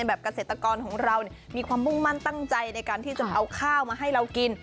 เกษตรกรของเรามีความมุ่งมั่นตั้งใจในการที่จะเอาข้าวมาให้เรากิน